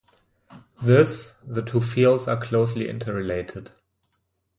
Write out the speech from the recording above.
Thus, the two fields are closely inter-related.